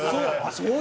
そう？